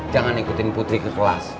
jangan ikutin putri ke kelas